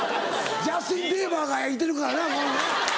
ジャスティン・デーバーがいてるからなこのな。